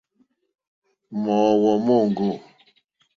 Mòóhwò móŋɡô.